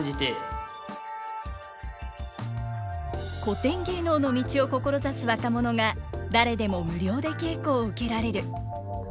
古典芸能の道を志す若者が誰でも無料で稽古を受けられる。